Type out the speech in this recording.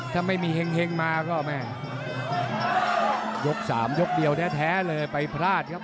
ถ้าไม่มีเห็งมาก็แม่ยกสามยกเดียวแท้เลยไปพลาดครับ